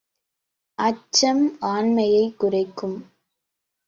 அச்சம் ஆண்மையைக் குறைக்கும்.